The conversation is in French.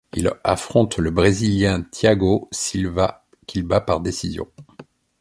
Il affronte le Brésilien Thiago Silva, qu'il bat par décision.